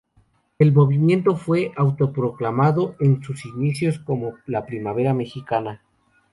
El movimiento fue autoproclamado en sus inicios como la Primavera Mexicana.